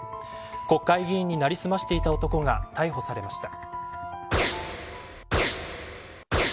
国会議員に成り済ましていた男が逮捕されました。